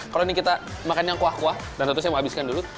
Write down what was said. kalau ini kita makan yang kuah kuah dan tentu saya mau habiskan dulu